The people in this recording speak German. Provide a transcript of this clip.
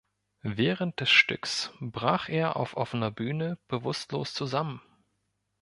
Während des Stücks brach er auf offener Bühne bewusstlos zusammen.